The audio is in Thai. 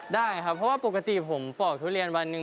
ได้ครับเพราะว่าปกติผมปอกทุเรียนวันหนึ่ง